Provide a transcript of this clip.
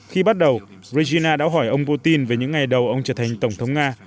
khi bắt đầu rrigina đã hỏi ông putin về những ngày đầu ông trở thành tổng thống nga